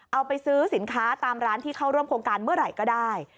เอาไปซื้อสินค้าตามร้านที่เข้าร่วมโครงการเมื่อไหร่ก็ได้